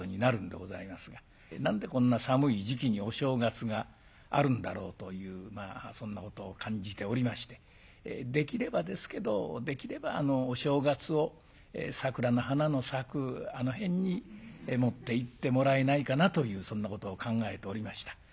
何でこんな寒い時期にお正月があるんだろうというそんなことを感じておりましてできればですけどできればお正月を桜の花の咲くあの辺に持っていってもらえないかなというそんなことを考えておりました。